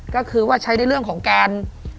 ก็คือว่าใช้ในเรื่องของการ